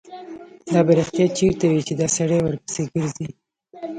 دا به رښتیا چېرته وي چې دا سړی ورپسې ګرځي.